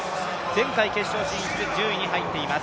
前回決勝進出、１０位に入っています